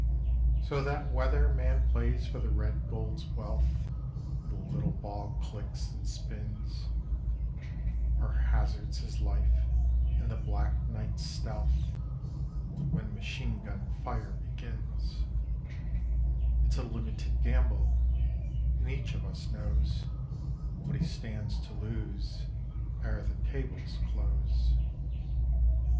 So that whether man plays for the red gold's wealth Where the little ball clicks and spins, Or hazards his life in the black night's stealth When machine gun fire begins It's a limited gamble; and each of us knows What he stands to lose ere the tables close.